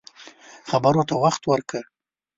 خبرو ته وخت ورکړه